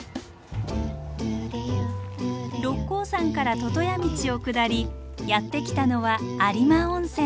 六甲山から魚屋道を下りやって来たのは有馬温泉。